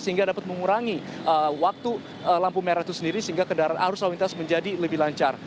sehingga dapat mengurangi waktu lampu merah itu sendiri sehingga kendaraan arus lalu lintas menjadi lebih lancar